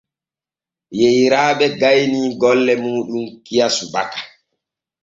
Yeyraaɓe gaynii golle muuɗum kiya subaka.